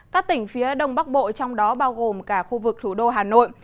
các tỉnh phía đông bắc bộ trong đó bao gồm cả khu vực thủ đô hà nội